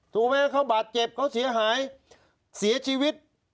ถูกไหมเขาบาดเจ็บเขาเสียหายเสียชีวิต